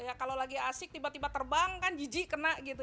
ya kalau lagi asik tiba tiba terbang kan giji kena gitu